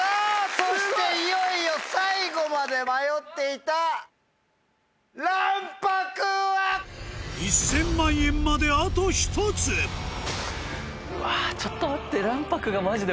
そしていよいよ最後まで迷っていた卵白は⁉１０００万円まであと１つうわちょっと待って。